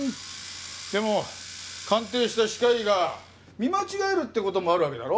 でも鑑定した歯科医が見間違えるって事もあるわけだろ？